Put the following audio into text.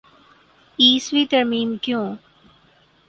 ائیسویں ترمیم کیوں؟